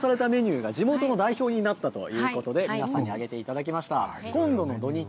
考案されたメニューが地元の代表になったということで、皆さんにあげていただきました。